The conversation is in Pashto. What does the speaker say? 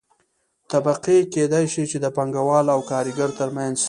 طبقې کيدى شي چې د پانګه وال او کارګر ترمنځ